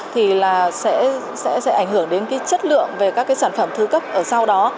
thì là sẽ ảnh hưởng đến cái chất lượng về các cái sản phẩm thứ cấp ở sau đó